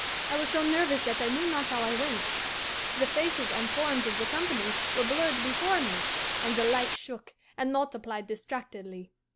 I was so nervous that I knew not how I went. The faces and forms of the company were blurred before me, and the lights shook and multiplied distractedly.